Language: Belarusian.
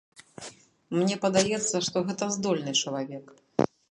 Мне падаецца, што гэта здольны чалавек.